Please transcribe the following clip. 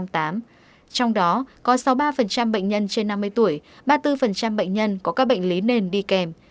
trong đó có sáu mươi ba bệnh nhân trên năm mươi tuổi ba mươi bốn bệnh nhân có các bệnh lý nền đi kèm